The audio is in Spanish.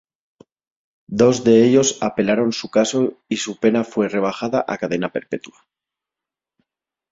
Dos de ellos apelaron su caso y su pena fue rebajada a cadena perpetua.